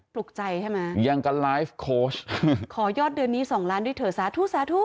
ลุกใจใช่ไหมยังก็ไลฟ์โค้ชขอยอดเดือนนี้สองล้านด้วยเถอะสาธุสาธุ